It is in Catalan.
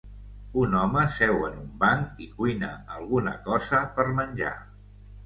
Un home seu en un banc i cuina alguna cosa per menjar.